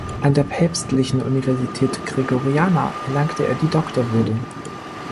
An der Päpstlichen Universität Gregoriana erlangte er die Doktorwürde.